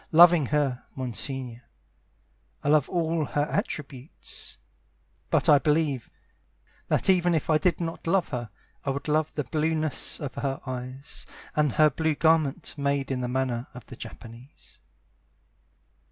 Loving her, Monsignore, I love all her attributes; But I believe That even if I did not love her I would love the blueness of her eyes, And her blue garment, made in the manner of the Japanese.